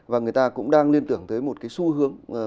và người ta cũng đang liên tưởng tới một cái xu hướng